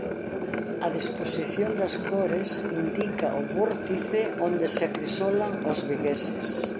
A disposición das cores indica o vórtice onde se acrisolan os vigueses.